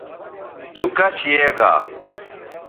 تو کش یے گا